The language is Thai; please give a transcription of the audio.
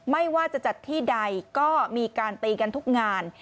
ไม่ว่าจะจัดที่ใดก็มีการตีกันทุกงาน